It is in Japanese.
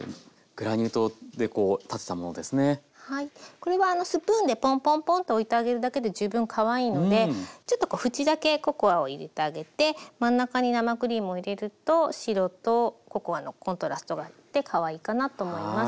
これはスプーンでポンポンポンと置いてあげるだけで十分かわいいのでちょっとこう縁だけココアを入れてあげて真ん中に生クリームを入れると白とココアのコントラストがあってかわいいかなと思います。